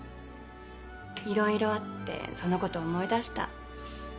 いろいろあってそのこと思い出した。